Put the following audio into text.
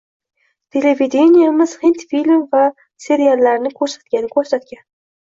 Televideniemiz hind film va seriallarini ko`rsatgani-ko`rsatgan